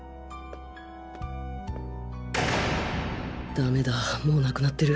だめだもう亡くなってる